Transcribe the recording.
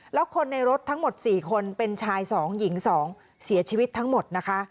แล้วคนในรถทั้งหมด๔คนเป็นชาย๒หญิง๒เสียชีวิตทั้งหมดนะคะ